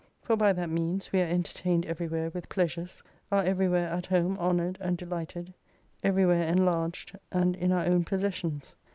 For by that means we are entertained everywhere with pleasures, are everywhere at home honored and delighted, everywhere enlarged and in our own possessions.